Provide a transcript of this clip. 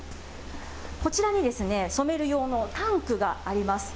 こちらに、染める用のタンクがあります。